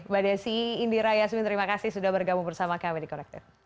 mbak desi indira yasmin terima kasih sudah bergabung bersama kami di connected